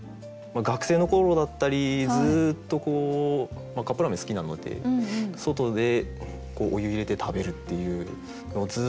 学生の頃だったりずっとカップラーメン好きなので外でお湯入れて食べるっていうのをずっとやっていたので。